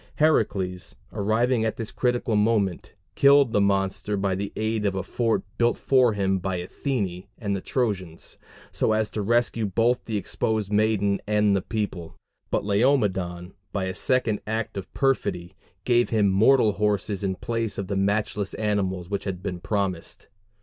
Heracles, arriving at this critical moment, killed the monster by the aid of a fort built for him by Athene and the Trojans, so as to rescue both the exposed maiden and the people; but Laomedon, by a second act of perfidy, gave him mortal horses in place of the matchless animals which had been promised.